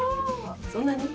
そんなに？